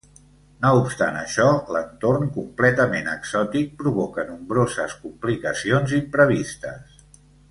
No obstant això, l'entorn completament exòtic provoca nombroses complicacions imprevistes.